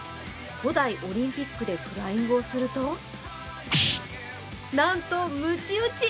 古代オリンピックでフライングをすると、なんとムチ打ち。